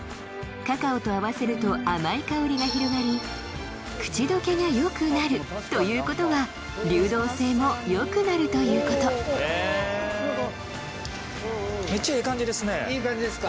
カカオと合わせると甘い香りが広がり口どけが良くなるということは流動性も良くなるということいい感じですか？